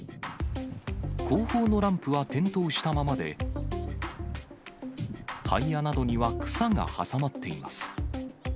後方のランプは点灯したままで、タイヤなどには草が挟まっています。